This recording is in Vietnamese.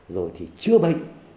rồi thì chưa bệnh